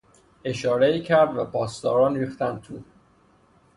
اشارهای کرد و پاسداران ریختند تو.